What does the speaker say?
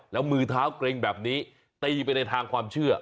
แล้วมือเท้าเกร็งแบบนี้ตีไปในทางความเชื่อ